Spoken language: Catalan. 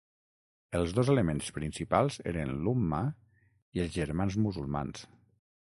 Els dos elements principals eren l'Umma i els Germans Musulmans.